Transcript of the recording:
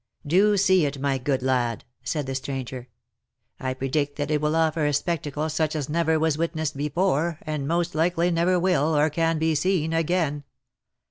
DO " Do see it, my good lad !" said the stranger ;" I predict that it will offer a spectacle such as never was witnessed before, and most Jikely never will, or can be seen, again.